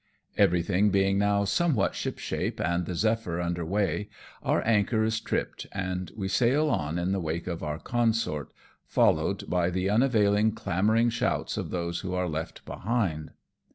Everything being now somewhat shipshape, and the Zephyr under weigh, our anchor is tripped, and we sail on in the wake of our consort, followed by the unavailing clamouring shouts of those who are left behind.